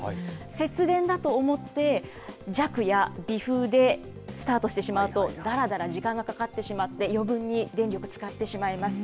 節電だと思って、弱や微風でスタートしてしまうと、だらだら時間がかかってしまって、余分に電力使ってしまいます。